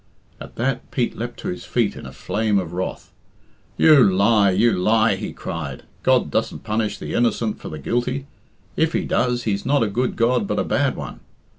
At that Pete leapt to his feet in a flame of wrath. "You lie! you lie!" he cried. "God doesn't punish the innocent for the guilty. If He does, He's not a good God but a bad one.